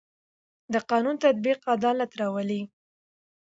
د قانون تطبیق عدالت راولي